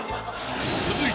［続いて］